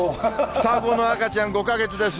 双子の赤ちゃん５か月です。